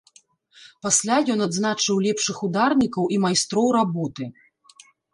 Пасля ён адзначыў лепшых ударнікаў і майстроў работы.